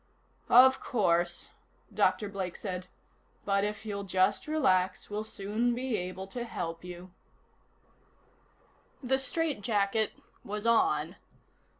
"Of course," Dr. Blake said. "But if you'll just relax we'll soon be able to help you " The strait jacket was on.